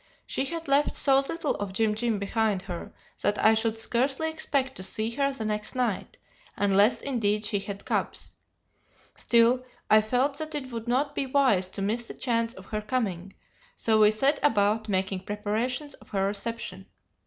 She had left so little of Jim Jim behind her that I should scarcely expect to see her the next night, unless indeed she had cubs. Still, I felt that it would not be wise to miss the chance of her coming, so we set about making preparations for her reception.